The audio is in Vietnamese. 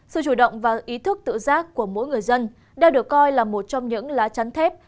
sự chủ động và ý thức tự giác của mỗi người dân đây được coi là một trong những lá chắn thép